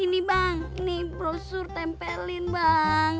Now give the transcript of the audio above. ini bang ini brosur tempelin bang